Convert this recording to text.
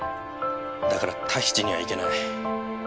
だからタヒチには行けない。